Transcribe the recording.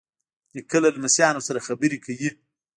نیکه له لمسیانو سره خبرې کوي.